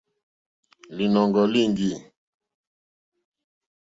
Lìnɔ̀ŋɡɔ̀ líŋɡî.